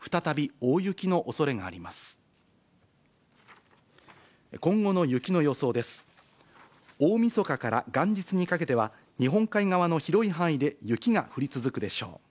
大みそかから元日にかけては、日本海側の広い範囲で雪が降り続くでしょう。